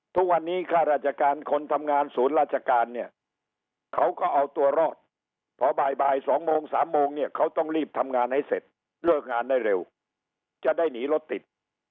ทุกวันนี้ข้าราชการคนทำงานศูนย์ราชการเนี่ยเขาก็เอาตัวรอดพอบ่าย๒โมง๓โมงเนี่ยเขาต้องรีบทำงานให้เสร็จเลิกงานได้เร็วจะได้หนีรถติด